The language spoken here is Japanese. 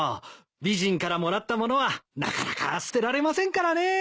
美人からもらったものはなかなか捨てられませんからね。